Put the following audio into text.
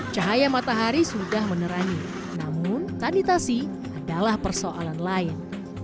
cahaya matahari sudah menerangi namun sanitasi adalah persoalan lain